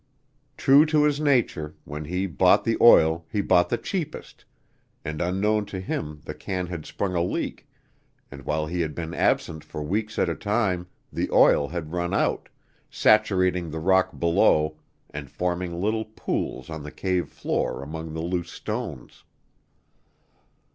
True to his nature, when he bought the oil he bought the cheapest, and unknown to him the can had sprung a leak and while he had been absent for weeks at a time, the oil had run out, saturating the rock below and forming little pools on the cave floor among the loose stones.